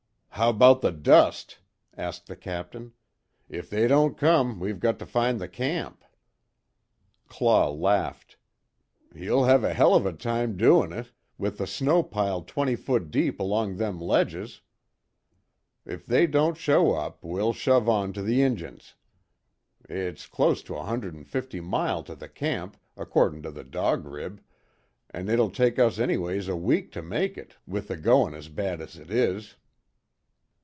"But, how about the dust?" asked the Captain, "If they don't come, we've got to find the camp." Claw laughed: "You'll have a hell of a time doin' it! With the snow piled twenty foot deep along them ledges. If they don't show up, we'll shove on to the Injuns. It's clost to a hundred an' fifty mile to the camp, accordin' to the Dog Rib, an' it'll take us anyways a week to make it, with the goin' as bad as it is."